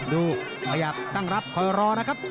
ขยับตั้งรับคอยรอนะครับ